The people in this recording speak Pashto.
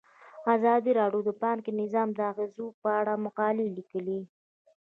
ازادي راډیو د بانکي نظام د اغیزو په اړه مقالو لیکلي.